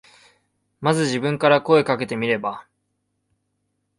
まず自分から声かけてみれば。